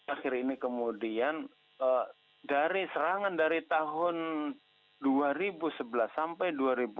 akhir ini kemudian dari serangan dari tahun dua ribu sebelas sampai dua ribu dua